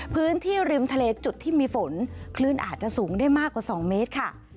พื้นที่ริมทะเลจุดที่มีฝนคลื่นอาจจะสูงได้มากกว่า๒เมตรค่ะ